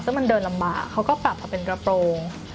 ซึ่งมันเดินลำบากเขาก็ปรับมาเป็นกระโปรง